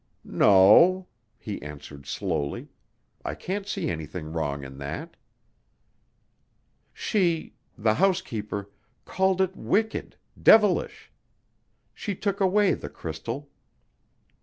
"No," he answered slowly, "I can't see anything wrong in that." "She the housekeeper called it wicked devilish. She took away the crystal.